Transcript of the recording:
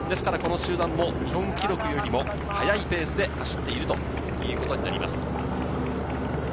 この集団も日本記録よりも速いペースで走っているということになります。